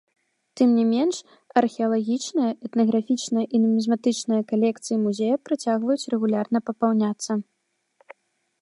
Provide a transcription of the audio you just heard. Тым не менш, археалагічная, этнаграфічная і нумізматычная калекцыі музея працягваюць рэгулярна папаўняцца.